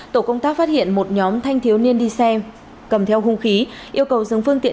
tổ công tác phát hiện một nhóm thanh thiếu niên đi xe cầm theo hung khí yêu cầu dừng phương tiện